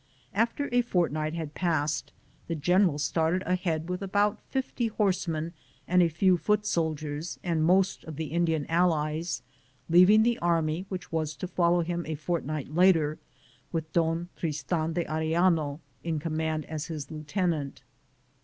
After a fortnight had passed, the general started ahead with about fifty horse men and a few foot soldiers and most of the Indian allies, leaving the army, which was to follow him a fortnight later, with Don Tristan de Arellano in command as his lieu tenant.